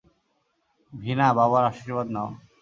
ভীনা, বাবার আশীর্বাদ নাও।